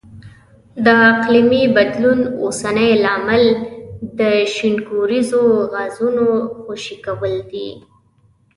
د اقلیمي بدلون اوسنی لامل د شینکوریزو غازونو خوشې کول دي.